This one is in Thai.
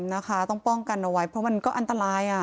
นะคะต้องป้องกันเอาไว้เพราะมันก็อันตราย